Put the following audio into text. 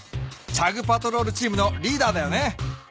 チャグ・パトロールチームのリーダーだよね。